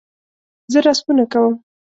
زه رسمونه کوم